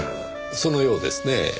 そのようですねぇ。